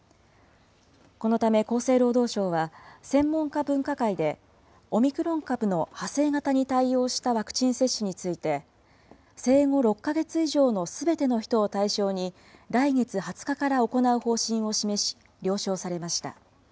このため厚生労働省は、専門家分科会で、オミクロン株の派生型に対応したワクチン接種について、生後６か月以上のすべての人を対象に、来月２０日から行う方針を示し、了承されました。